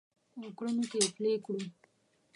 او کړنو کې پلي کړو